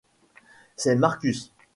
C’est Marcus.